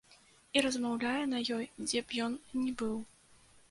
І размаўляе на ёй, дзе б ён ні быў.